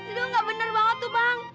itu enggak bener banget tuh bang